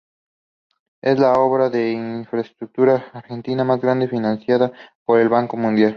Es la obra de infraestructura argentina más grande financiada por el Banco Mundial.